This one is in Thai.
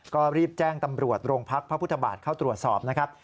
ก็รีบแจ้งตำรวจโรงพักพระพุทธบาทเข้าตรวจสอบนะครับ